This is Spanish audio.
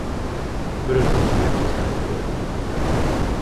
Pero el conocimiento está dentro de uno mismo"".